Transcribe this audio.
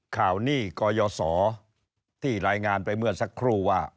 หนี้กยศที่รายงานไปเมื่อสักครู่ว่า